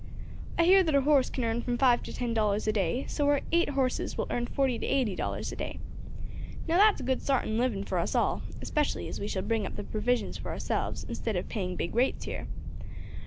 "I hear that a horse can earn from five to ten dollars a day, so our eight horses will earn forty to eighty dollars a day. Now that's a good sartin living for us all, especially as we shall bring up the provisions for ourselves, instead of paying big rates here.